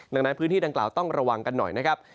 ดังนั้นพื้นที่ดังกล่าวต้องระวังกันหน่อยนะครับ